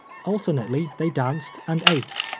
Alternately they danced and ate.